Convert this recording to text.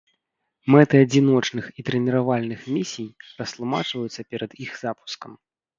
Мэты адзіночных і трэніравальных місій растлумачваюцца перад іх запускам.